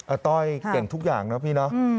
ต้อยเก่งทุกอย่างนะพี่เนาะ